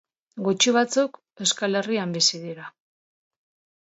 Gutxi batzuk Euskal Herrian bizi dira.